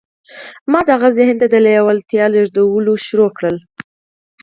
ما د هغه ذهن ته د لېوالتیا لېږدول پیل کړل